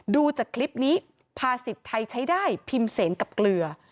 ดูจากคลิปนี้ภาษิตไทยใช้ได้พิมพ์เสนกับเกลือ